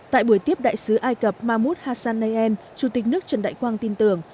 tại buổi tiếp đại sứ ai cập mahmoud hassan nayen chủ tịch nước trần đại quang tin tưởng